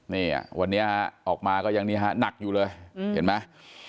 นี่วันนี้ฮะออกมาก็ยังนี่ฮะหนักอยู่เลยเห็นไหม